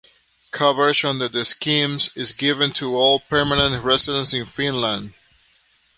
Coverage under the schemes is given to all permanent residents of Finland.